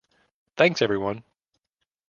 Thanks everyone!